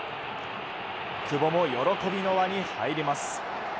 久保も喜びの輪に入ります。